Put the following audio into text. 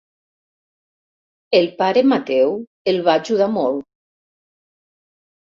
El pare Mateu el va ajudar molt.